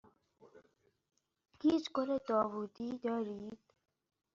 هیچ گل داوودی دارید؟